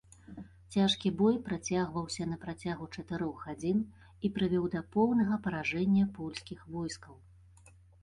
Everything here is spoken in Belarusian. Цяжкі бой працягваўся на працягу чатырох гадзін і прывёў да поўнага паражэння польскіх войскаў.